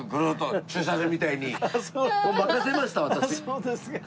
そうですか。